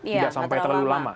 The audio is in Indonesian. tidak sampai terlalu lama